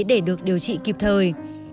để được điều trị kịp thời